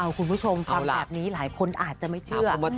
คุณผู้ชมฟังแบบนี้หลายคนอาจจะไม่เชื่อ